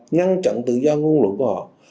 nhăn chặn tự do nguồn luận của họ